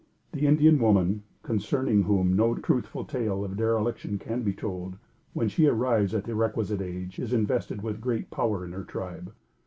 The Indian woman, concerning whom no truthful tale of dereliction can be told, when she arrives at the requisite age, is invested with great power in her tribe.